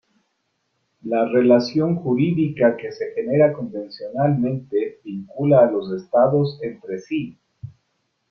La relación jurídica que se genera convencionalmente, vincula a los estados entre sí.